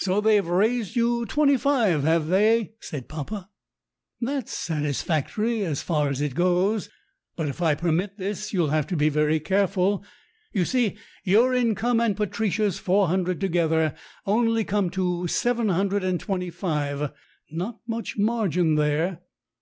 "So they've raised you twenty five, have they?" said papa. "That's satisfactory, as far as it goes. But if I permit this, you'll have to be very careful. You see, your income and Patricia's four hundred to gether only come to seven hundred and twenty five. Not much margin there."